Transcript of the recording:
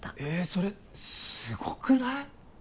それすごくない？